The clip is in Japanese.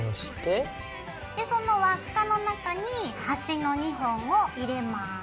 その輪っかの中に端の２本を入れます。